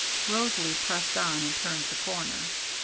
Rosalie pressed on and turned the corner.